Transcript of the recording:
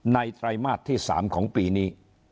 ไตรมาสที่๓ของปีนี้